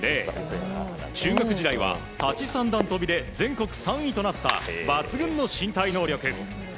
中学時代は立ち三段跳びで全国３位となった抜群の身体能力。